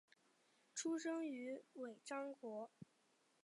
出生于尾张国。